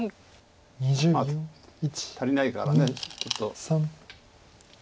まあ足りないからちょっと。